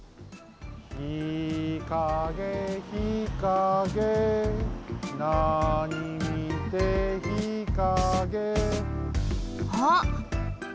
「ひかげひかげなに見てひかげ」あっ！